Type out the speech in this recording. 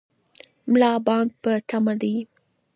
ملا بانګ په تمه دی.